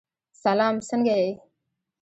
سلام! څنګه یې؟